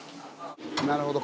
なるほど。